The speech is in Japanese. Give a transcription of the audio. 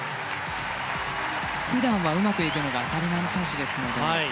普段はうまくいくのが当たり前の選手ですのでね。